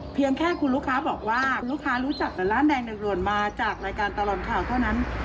เพียงแค่คุณลูกค้าบอกว่าลูกค้ารู้จักแต่ร้านแดงหนึ่งด่วนมาจากรายการตลอดข่าวเท่านั้น